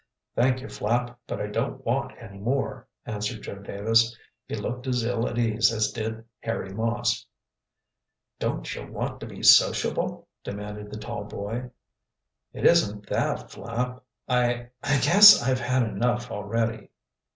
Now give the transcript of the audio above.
"Thank you, Flapp, but I don't want any more," answered Joe Davis. He looked as ill at ease as did Harry Moss. "Don't you want to be sociable?" demanded the tall boy. "It isn't that, Flapp. I I guess I've had enough already."